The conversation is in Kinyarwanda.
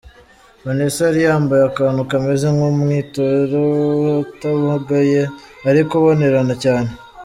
Vanessa yari yambaye akantu kameze nk’umwitero utobaguye ariko ubonerana cyane.